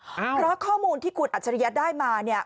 เพราะข้อมูลที่คุณอัจฉริยะได้มาเนี่ย